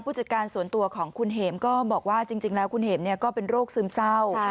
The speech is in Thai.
จัดการส่วนตัวของคุณเห็มก็บอกว่าจริงแล้วคุณเห็มก็เป็นโรคซึมเศร้า